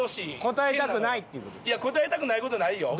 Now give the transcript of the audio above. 答えたくない事ないよ。